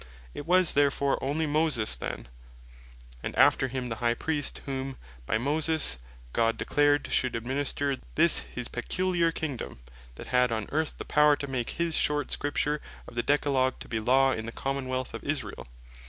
It was therefore onely Moses then, and after him the High Priest, whom (by Moses) God declared should administer this his peculiar Kingdome, that had on Earth, the power to make this short Scripture of the Decalogue to bee Law in the Common wealth of Israel.